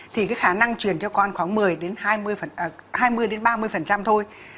thì khả năng chuyển cho con khoảng hai mươi ba mươi thôi